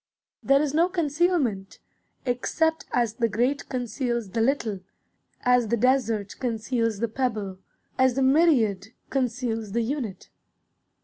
There is no concealment, except as the great conceals the little, as the desert conceals the pebble, as the myriad conceals the unit.